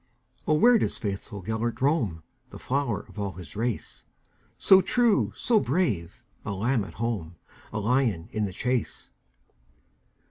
"O, where doth faithful Gêlert roam, The flower of all his race, So true, so brave,—a lamb at home,A lion in the chase?"